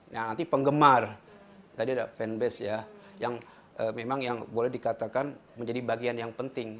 nah nanti penggemar tadi ada fanbase ya yang memang yang boleh dikatakan menjadi bagian yang penting